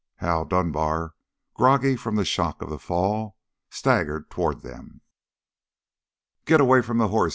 Hal Dunbar, groggy from the shock of the fall, staggered toward them. "Get away from the horse!"